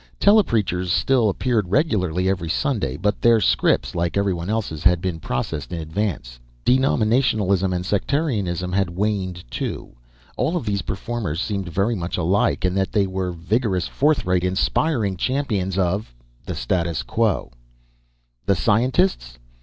Telepreachers still appeared regularly every Sunday, but their scripts like everyone else's had been processed in advance. Denominationalism and sectarianism had waned, too; all of these performers seemed very much alike, in that they were vigorous, forthright, inspiring champions of the status quo. _The scientists?